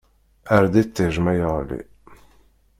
Err-d iṭij ma yeɣli!